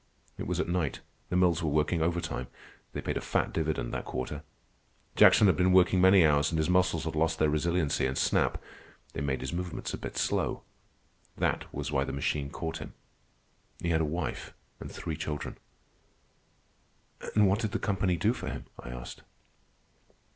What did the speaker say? It was at night. The mills were working overtime. They paid a fat dividend that quarter. Jackson had been working many hours, and his muscles had lost their resiliency and snap. They made his movements a bit slow. That was why the machine caught him. He had a wife and three children." "And what did the company do for him?" I asked.